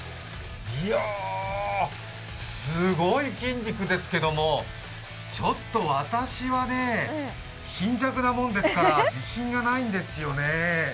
いやすごい筋肉ですけどもちょっと私はね、貧弱なもんですから自信がないんですよね。